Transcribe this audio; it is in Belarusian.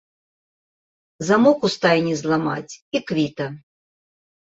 Замок у стайні зламаць, і квіта!